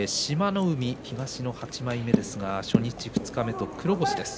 海東の８枚目初日二日目と黒星です。